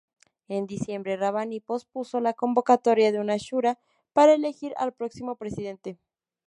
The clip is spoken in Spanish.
En diciembre, Rabbani pospuso la convocatoria de una shura para elegir al próximo presidente.